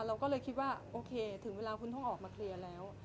เราก็เลยคิดว่าโอเคถึงเวลาคุณต้องออกมาเคลียร์แล้ว